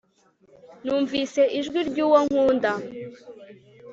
numvise ijwi ry'uwo nkunda